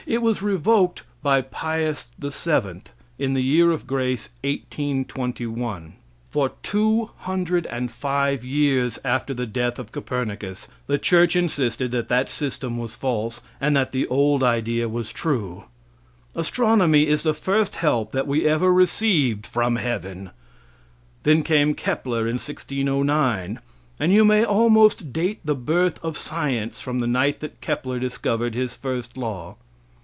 It was revoked by Pius VII. in the year of grace 1821. For 205 years after the death of Copernicus the church insisted that that system was false, and that the old idea was true. Astronomy is the first help that we ever received from heaven. Then came Kepler in 1609, and you may almost date the birth of science from the night that Kepler discovered his first law.